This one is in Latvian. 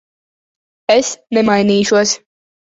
Es nemainīšos.